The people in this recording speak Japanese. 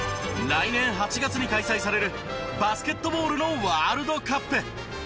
来年８月に開催されるバスケットボールのワールドカップ。